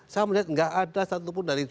saya melihat enggak ada satupun dari juga